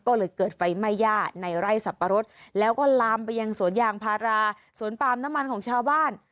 ก็เลยเกิดไฟไหม้ย่าในไร่สับปะรดแล้วก็ลามไปยังสวนยางพาราสวนปาล์มน้ำมันของชาวบ้าน